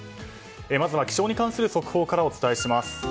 まずは気象に関する速報からお伝えします。